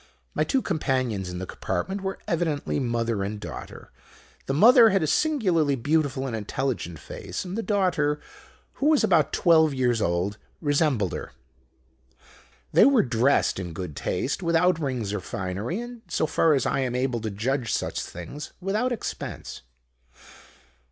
My two companions in the compartment were evidently mother and daughter. The mother had a singularly beautiful and intelligent face; and the daughter, who was about twelve years old, resembled her. They were dressed in good taste, without rings or finery, and, so far as I am able to judge such things, without expense.